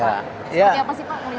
seperti apa sih pak